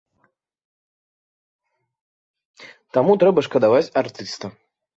Таму трэба шкадаваць артыста.